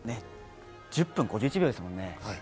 １０分５１秒ですもんね。